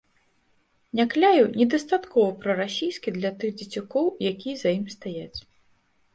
Някляеў недастаткова прарасійскі для тых дзецюкоў, якія за ім стаяць.